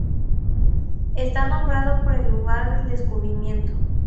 Está nombrado por el lugar del descubrimiento.